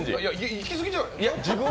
いきすぎじゃない？